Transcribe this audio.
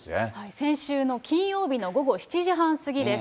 先週の金曜日の午後７時半過ぎです。